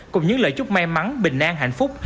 cùng những lời chúc may mắn bình an hạnh phúc